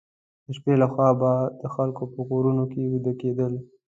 د شپې لخوا به د خلکو په کورونو کې ویده کېدل.